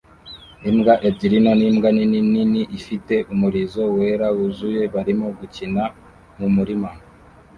Imbwa ebyiri nto n'imbwa nini nini ifite umurizo wera wuzuye barimo gukina mu murima